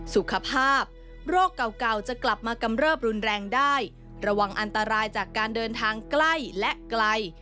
สุขภาพโรคเก่าจะกลับมากำเริบรุนแรงได้ระวังอันตรายจากการเดินทางใกล้และไกล